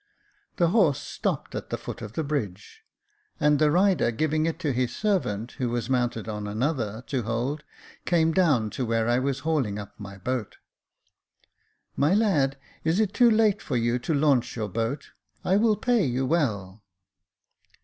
The horse stopped at the foot of the bridge •, and the rider giving it to his servant, who was mounted on another, to hold, came down to where I was hauling up my boat. " My lad, is it too late for you to launch your boat ? I will pay you well."